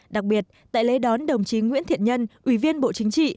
đặc biệt tại lễ đón đồng chí nguyễn thiện nhân ủy viên bộ chính trị